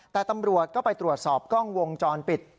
แต่ตำรวจก็ไปตรวจสอบกล้องวงจรปิด